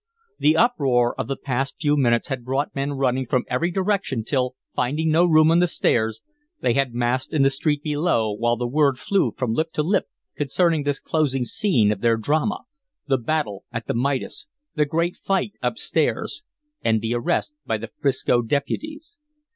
The uproar of the past few minutes had brought men running from every direction till, finding no room on the stairs, they had massed in the street below while the word flew from lip to lip concerning this closing scene of their drama, the battle at the Midas, the great fight up stairs, and the arrest by the 'Frisco deputies.